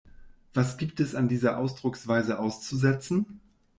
Was gibt es an dieser Ausdrucksweise auszusetzen?